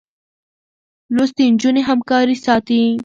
لوستې نجونې همکاري ساتي.